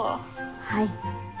はい。